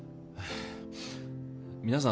皆さん